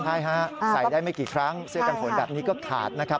ใช่ฮะใส่ได้ไม่กี่ครั้งเสื้อกันฝนแบบนี้ก็ขาดนะครับ